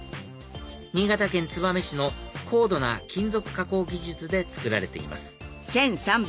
新潟県燕市の高度な金属加工技術で作られています